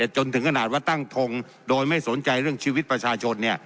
จนถึงขนาดว่าตั้งทงโดยไม่สนใจเรื่องชีวิตประชาชน